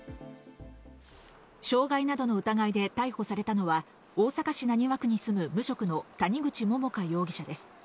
障害などの疑いで逮捕されたのは大阪市浪速区に住む無職の谷口桃花容疑者です。